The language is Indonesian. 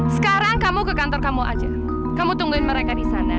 sekarang kamu ke kantor kamu aja kamu tungguin mereka di sana